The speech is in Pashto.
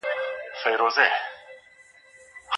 ایا د سبزیو په خوړلو سره د انسان په پوستکي کي ښکلا پیدا کېږي؟